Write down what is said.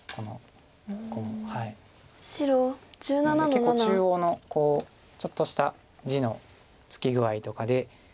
結構中央のちょっとした地のつき具合とかで。